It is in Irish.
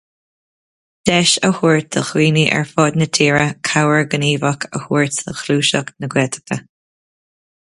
Deis a thabhairt do dhaoine ar fud na tíre cabhair ghníomhach a thabhairt do Ghluaiseacht na Gaeltachta.